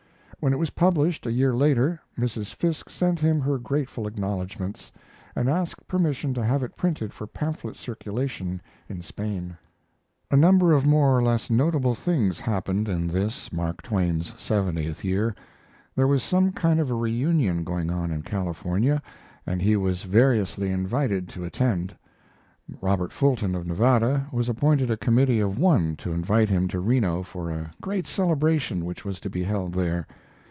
When it was published, a year later, Mrs. Fiske sent him her grateful acknowledgments, and asked permission to have it printed for pamphlet circulation m Spain. A number of more or less notable things happened in this, Mark Twain's seventieth year. There was some kind of a reunion going on in California, and he was variously invited to attend. Robert Fulton, of Nevada, was appointed a committee of one to invite him to Reno for a great celebration which was to be held there.